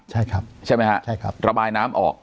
ใช่ครับใช่ไหมฮะใช่ครับระบายน้ำออก